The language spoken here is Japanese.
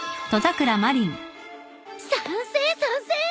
賛成賛成！